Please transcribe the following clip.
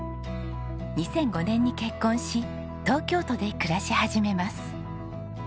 ２００５年に結婚し東京都で暮らし始めます。